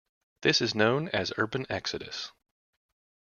This is known as urban exodus.